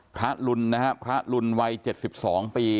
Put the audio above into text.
พระหลุนนะครับพระหลุนวัย๗๒ปี